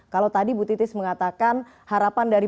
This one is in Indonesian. kalau tadi bu titis mengatakan harapan dari